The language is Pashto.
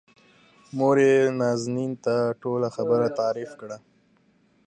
موريې نازنين ته ټوله خبره تعريف کړه.